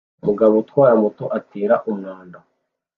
Umugabo utwara moto atera umwanda